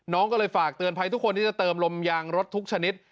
น้องก็เลยฝากเตือนภัยทุกคนที่จะเติมลมยางรถทุกชนิด